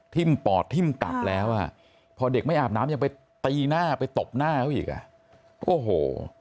ปอดทิ้มตับแล้วอ่ะพอเด็กไม่อาบน้ำยังไปตีหน้าไปตบหน้าเขาอีกอ่ะโอ้โห